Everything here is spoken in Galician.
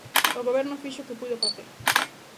O Goberno fixo o que puido facer.